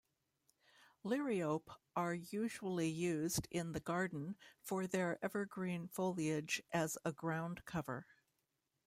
"Liriope" are usually used in the garden for their evergreen foliage as a groundcover.